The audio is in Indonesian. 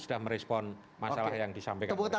sudah merespon masalah yang disampaikan oleh mas eko